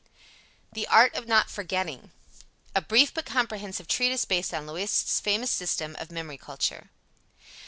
THE ART OF NOT FORGETTING. A Brief but Comprehensive Treatise Based on Loisette's Famous System of Memory Culture.